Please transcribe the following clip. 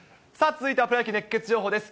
続いてはプロ野球熱ケツ情報です。